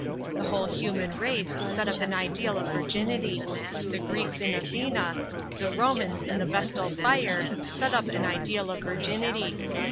The whole human race set up an ideal of virginity; the Greeks in Athene, the Romans in the Vestal fire, set up an ideal of virginity.